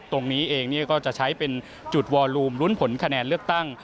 ตรงนี้เองก็จะใช้เป็นจุดวอลูมลุ้นผลคะแนนเลือกตั้ง